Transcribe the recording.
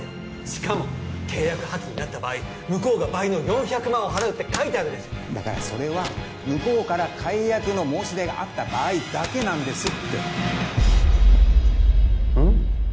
しかも契約破棄になった場合向こうが倍の４００万を払うって書いてあるでしょだからそれは向こうから解約の申し出があった場合だけなんですってうん？